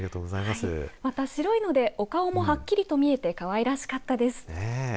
また白いので、お顔もはっきりと見られてかわいらしかったです。